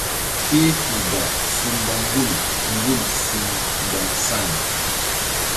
Kpehkpuh ba su mba ŋgul ŋgul su mba sa̧y.